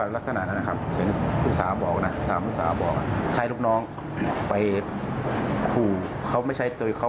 เสื่อมเสียชื่อเสียงก็เลยต้องไปแจ้งความเพราะว่ารับไม่ได้ที่อีกฝ่ายนึงมากระทำลูกสาวแม่อยู่ฝ่ายเดียวค่ะ